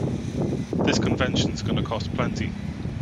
This convention's gonna cost plenty.